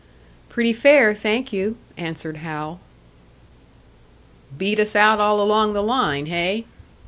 "Pretty fair, thank you," answered Hal. "Beat us out all along the line, hey?"